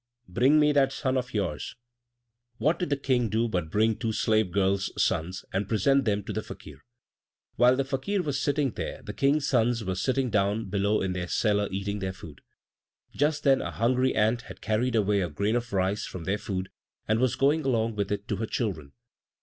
bring me that son of yours!" What did the King do but bring two slave girls' sons and present them to the Fakir. While the Fakir was sitting there the King's sons were sitting down below in their cellar eating their food. Just then a hungry ant had carried away a grain of rice from their food, and was going along with it to her children.